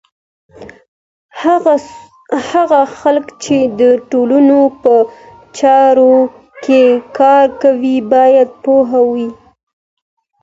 هغه خلګ چي د ټولنو په چارو کي کار کوي، باید پوه وي.